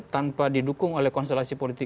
tanpa didukung oleh konstelasi politik